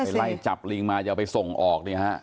ไล่จับลิงมาจะเอาไปส่งออกเนี่ยฮะ